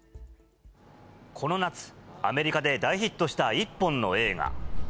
この夏、アメリカで大ヒットした１本の映画。